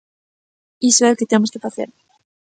Iso é o que temos que facer.